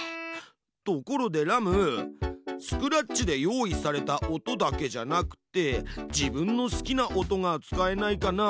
ところでラムスクラッチで用意された音だけじゃなくて自分の好きな音が使えないかな？